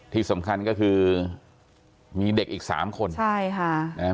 ที่สำคัญก็คือมีเด็กอีกสามคนใช่ค่ะนะฮะ